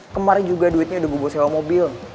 kemarin juga duitnya udah gue bawa sewa mobil